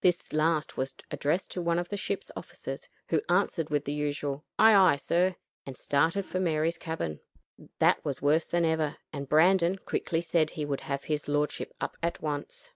This last was addressed to one of the ship's officers, who answered with the usual "Aye, aye, sir," and started for Mary's cabin. That was worse than ever; and Brandon quickly said he would have his lordship up at once.